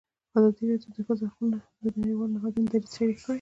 ازادي راډیو د د ښځو حقونه د نړیوالو نهادونو دریځ شریک کړی.